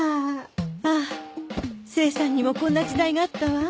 ああ清さんにもこんな時代があったわ